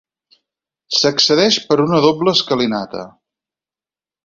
S'accedeix per una doble escalinata.